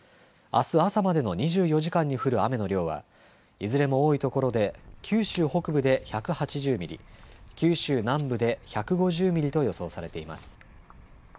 あす朝までの２４時間に降る雨の量はいずれも多いところで九州北部で１８０ミリ、九州南部で１５０ミリと予想されています。